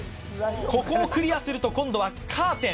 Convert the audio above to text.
ここをクリアすると今度はカーテン